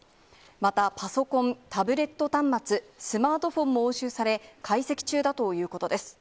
またパソコン、タブレット端末、スマートフォンも押収され、解析中だということです。